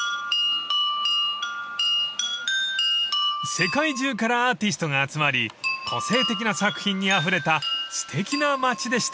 ［世界中からアーティストが集まり個性的な作品にあふれたすてきな町でした］